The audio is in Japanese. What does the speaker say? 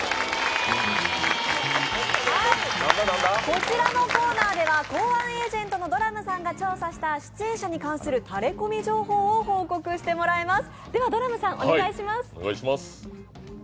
こちらのコーナーでは公安エージェントのドラムさんが調査した出演者に関するタレコミ情報を報告してもらいます。